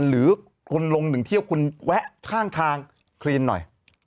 หรือคุณลงหนึ่งเที่ยวคุณแวะข้างทางคลีนหน่อย